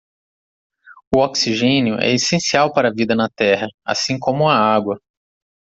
O oxigênio é essencial para a vida na terra, assim como a água.